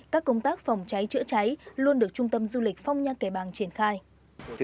các công tác phòng cháy chữa cháy luôn được trung tâm du lịch phong nha kẻ bàng triển khai